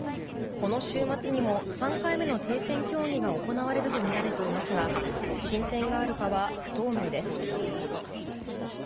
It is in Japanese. この週末にも３回目の停戦協議が行われるとみられていますが進展があるかは不透明です。